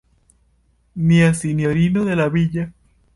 Nia Sinjorino de la Villa.